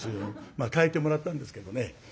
まあ変えてもらったんですけどね。